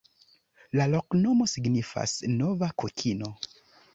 La loknomo signifas: nova-kokino.